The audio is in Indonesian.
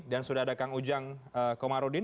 dan sudah ada kang ujang komarudin